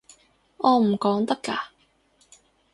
我唔講得㗎